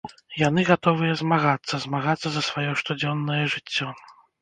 Яны гатовыя змагацца, змагацца за сваё штодзённае жыццё.